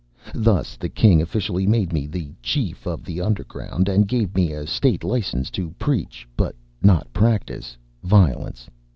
Thus the King officially made me the Chief of the Underground and gave me a state license to preach but not practice Violence.